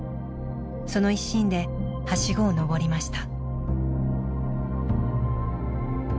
その一心ではしごを上りました。